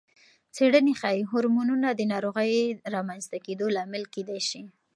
څېړنې ښيي، هورمونونه د ناروغۍ رامنځته کېدو لامل کېدای شي.